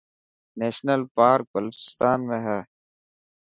نيشنل پارڪ بلوچستان ۾ هي.